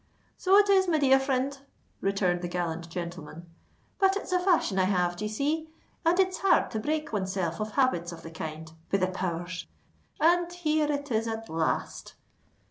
"So it is, my dear frind," returned the gallant gentleman; "but it's a fashion I have, d'ye see—and it's hard to break one self of habits of the kind. Be the powers! and here it is at last!"